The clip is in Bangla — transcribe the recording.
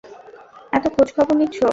এতো খোঁজ খবর নিচ্ছ।